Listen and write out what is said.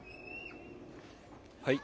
はい。